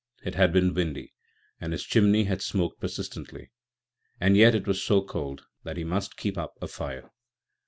It had been windy, and his chimney had smoked persistently, and yet it was so cold that he must keep up a fire.